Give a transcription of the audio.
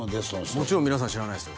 もちろん皆さん知らないですよ